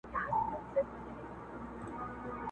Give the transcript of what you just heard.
دوه او درې ځله غوټه سو په څپو کي؛